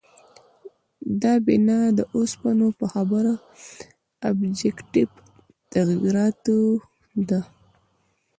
دا بنا د اوسنو په خبره آبجکټیف تغییراتو ده.